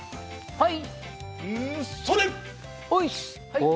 はい！